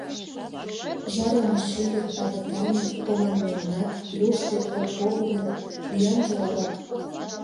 Жарыме чывет, агытанет, команмелнат, плюшкет, подкогылет, ӱян туарат...